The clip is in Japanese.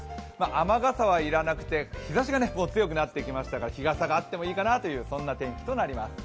雨傘はいらなくて日ざしが強くなってきましたから日傘があってもいいかなという、そんな天気となります。